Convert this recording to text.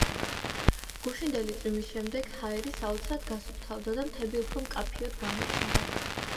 გუშინდელი წვიმის შემდეგ ჰაერი საოცრად გასუფთავდა და მთები უფრო მკაფიოდ გამოჩნდა.